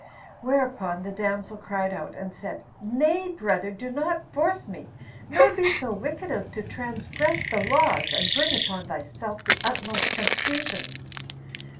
Whereupon the damsel cried out, and said, "Nay, brother, do not force me, nor be so wicked as to transgress the laws, and bring upon thyself the utmost confusion.